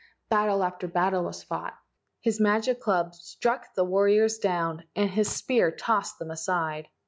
Battle after battle was fought. His magic club struck the warriors down, and his spear tossed them aside.